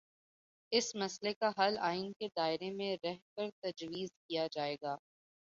اس مسئلے کا حل آئین کے دائرے میں رہ کرتجویز کیا جائے گا۔